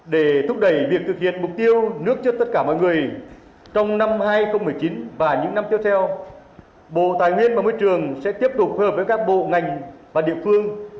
đưa các nghị quyết các mục tiêu của đảng quốc hội chính phủ